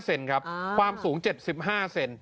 เซนครับความสูง๗๕เซน